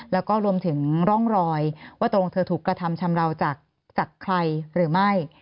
แล้วก็รวมถึงร่องรอยว่าตรงเธอถูกกระทำชำราวจากใครหรือไม่